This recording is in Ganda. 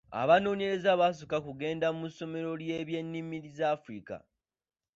Abanoonyereza basooka kugenda mu ssomero ly'ebyennimi z'a Africa.